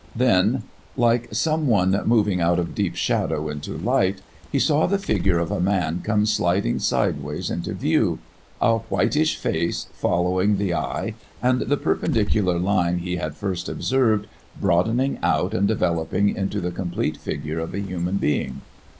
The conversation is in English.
Then, like some one moving out of deep shadow into light, he saw the figure of a man come sliding sideways into view, a whitish face following the eye, and the perpendicular line he had first observed broadening out and developing into the complete figure of a human being.